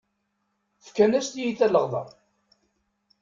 Fkan-as tiyita n leɣder!